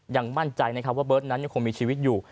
ยังมั่นใจนะครับว่าเบิร์ตนั้นยังคงมีชีวิตอยู่